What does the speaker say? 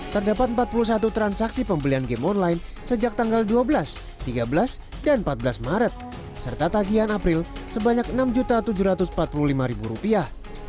terdapat empat puluh satu transaksi pembelian game online sejak tanggal dua belas tiga belas dan empat belas maret serta tagihan april sebanyak enam tujuh ratus empat puluh lima rupiah